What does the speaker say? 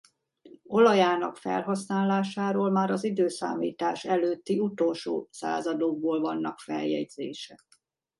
Olajának felhasználásáról már az időszámítás előtti utolsó századokból vannak feljegyzések.